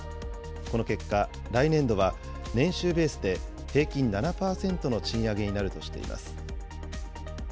この結果、来年度は年収ベースで平均７％の賃上げになるとしています。